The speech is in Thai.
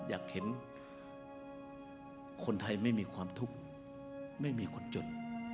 อยากเห็นคนไทยไม่มีความทุกข์ไม่มีคนจน